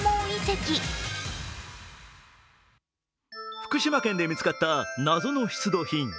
福島県で見つかった謎の出土品。